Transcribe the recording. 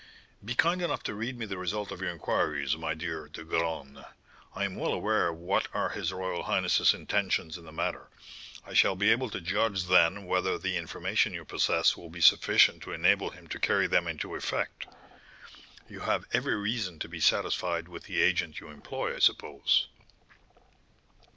"Be kind enough to read me the result of your inquiries, my dear De Graün. I am well aware what are his royal highness's intentions in the matter; I shall be able to judge then whether the information you possess will be sufficient to enable him to carry them into effect. You have every reason to be satisfied with the agent you employ, I suppose?"